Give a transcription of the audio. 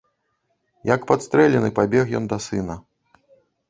Як падстрэлены, пабег ён да сына.